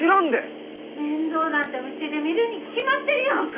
面倒なんてうちで見るに決まってるやんか！